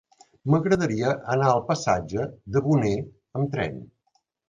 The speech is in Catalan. M'agradaria anar al passatge de Boné amb tren.